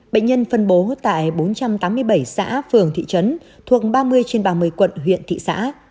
bệnh nhân phân bố tại bốn trăm tám mươi bảy xã phường thị trấn thuộc ba mươi trên ba mươi quận huyện thị xã